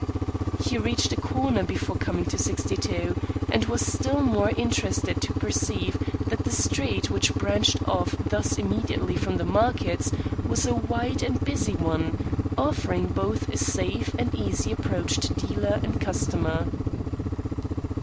He reached a corner before coming to 62 and was still more interested to perceive that the street which branched off thus immediately from the markets was a wide and busy one, offering both a safe and easy approach to dealer and customer.